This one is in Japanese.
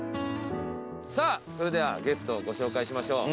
さぁそれではゲストをご紹介しましょう。